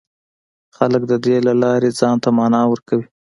خلک د دې له لارې ځان ته مانا ورکوي.